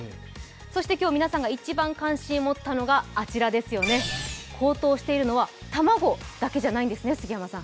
そして今日、皆さんが一番関心を持ったのが、高騰しているのは卵だけじゃないんですね、杉山さん。